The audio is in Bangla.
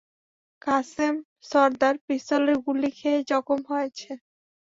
কাসেম সর্দার পিস্তলের গুলি খেয়ে জখম হয়েছে।